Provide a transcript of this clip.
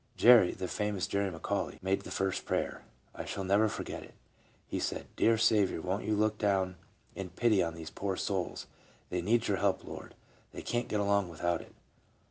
Jerry [the famous Jerry McAuley] made the first prayer. I shall never forget it. He said :' Dear Saviour, won't you look down in pity on these poor souls? They need your help, Lord ; they can't get along without it.